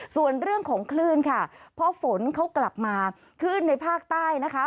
ส่วนเรื่องของคลื่นค่ะเพราะฝนเขากลับมาคลื่นในภาคใต้นะคะ